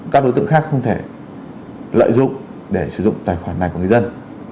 các đối tượng khác không thể lợi dụng để sử dụng tài khoản này của người dân